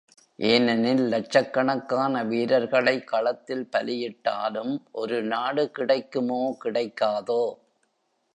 ஏனெனில் லட்சக்கணக்கான வீரர்களை களத்தில் பலியிட்டாலும் ஒரு நாடு கிடைக்குமோ கிடைக்காதோ.